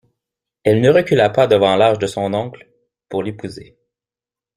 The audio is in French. Elle ne recula pas devant l'âge de son oncle, pour l'épouser.